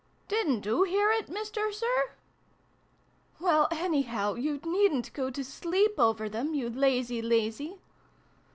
Didn't oo hear it, Mister Sir ?"" Well, anyhow, you needn't go to sleep over them, you lazy lazy